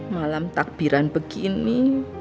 malam takbiran begini